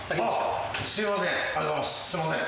すいません。